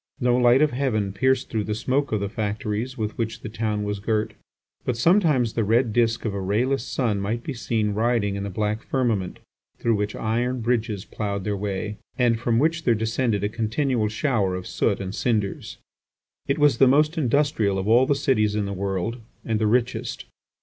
No light of heaven pierced through the smoke of the factories with which the town was girt, but sometimes the red disk of a rayless sun might be seen riding in the black firmament through which iron bridges ploughed their way, and from which there descended a continual shower of soot and cinders. It was the most industrial of all the cities in the world and the richest.